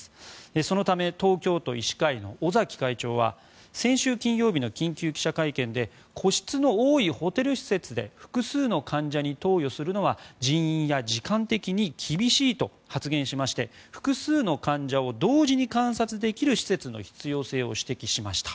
そのため東京都医師会の尾崎会長は先週金曜日の緊急記者会見で個室の多いホテル施設で複数の患者に投与するのは人員や時間的に厳しいと発言しまして複数の患者を同時に観察できる施設の必要性を指摘しました。